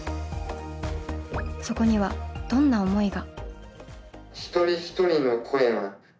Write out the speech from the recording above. そこにはどんな思いが。